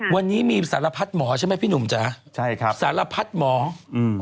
วันนี้มีสารพัดหมอใช่ไหมพี่หนุ่มจ๊ะใช่ครับสารพัดหมออืม